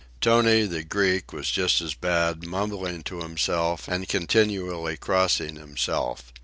Tony, the Greek, was just as bad, mumbling to himself and continually crossing himself.